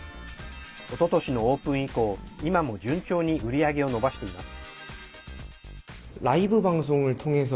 おととしのオープン以降今も順調に売り上げを伸ばしています。